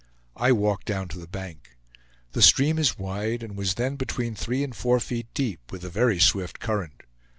I walked down to the bank. The stream is wide, and was then between three and four feet deep, with a very swift current.